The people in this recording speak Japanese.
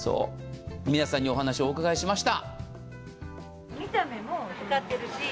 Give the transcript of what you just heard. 皆さんにお話をお伺いしました。